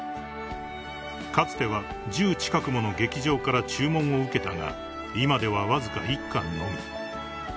［かつては１０近くもの劇場から注文を受けたが今ではわずか１館のみ］